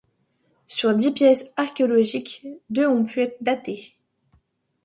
Sur dix pièces archéologiques deux ont pu être datées.